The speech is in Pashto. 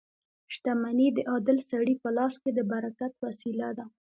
• شتمني د عادل سړي په لاس کې د برکت وسیله ده.